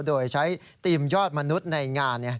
โดยใช้ธีมยอดมนุษย์ในงาน